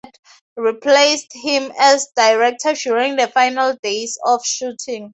Michael Apted replaced him as director during the final days of shooting.